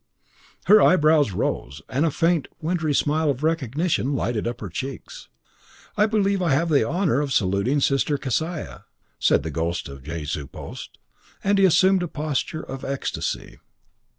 Her eyebrows rose, and a faint wintry smile of recognition lighted up her cheeks. "I believe I have the honour of saluting Sister Kesiah," said the ghost of Jehu Post, and he assumed a posture of ecstasy.